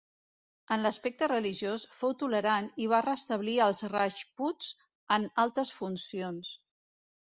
En l'aspecte religiós fou tolerant i va restablir als rajputs en altes funcions.